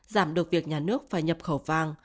giảm được việc nhà nước phải nhập khẩu vàng